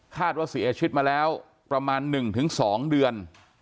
ว่าเสียชีวิตมาแล้วประมาณ๑๒เดือน